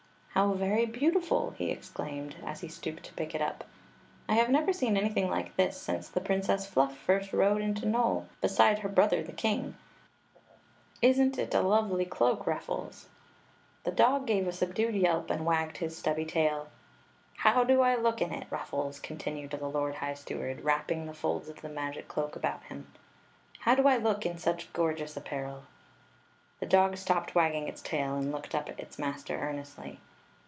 "H ow very beautiful !" he exclaimed, as he stooped to pick it up. I have never seen anything like this since the Princess Fluff first rode into Nole beside her brother the king. Is n't it a lovely cloak, Ruffles?'* 126 Queen Zixi of Ix; or, the The dog gave a subdued yelp and wagged his stubby tail. "How do I look in it, Ruffles? continued the lord high steward, wrapping the folds of the magic cloak about him ;" how do I look in such gorgeous apparel ?" The dog stopped wagging its tail and looked up at its master earnestly.